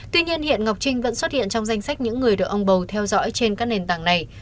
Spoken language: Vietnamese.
tuy nhiên hiện ngọc trinh vẫn xuất hiện trong danh sách những người được ông bầu theo dõi trên các nền tảng này